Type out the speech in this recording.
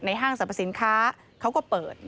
ห้างสรรพสินค้าเขาก็เปิด